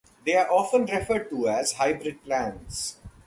They are often referred to as "hybrid" plans.